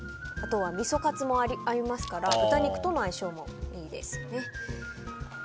あとは、みそカツもありますから豚肉との相性もいいですね。